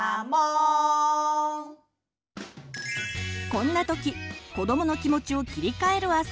こんな時子どもの気持ちを切り替えるあそび